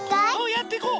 やっていこう。